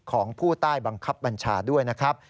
ของผู้ใต้บังคับบัญชาด้วยนะครับ